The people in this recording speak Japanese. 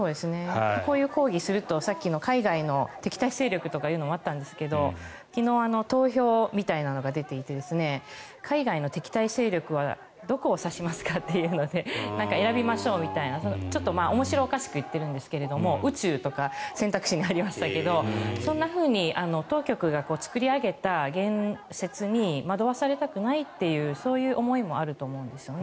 こういう抗議をすると海外の敵対勢力というのもあったんですが昨日、投票みたいなのが出ていて海外の敵対勢力はどこを指しますかというので選びましょうみたいなのでちょっと面白おかしく言っているんですが宇宙とか選択肢にありましたけどそんなふうに当局が作り上げた言説に惑わされたくないというそういう思いもあると思うんですね。